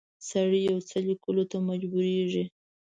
سړی یو څه لیکلو ته مجبوریږي.